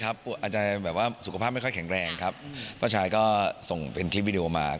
อาชายสุขภาพไม่ค่อยแข็งแรงครับพ่อชายก็ส่งเป็นคลิปวีดีโอมา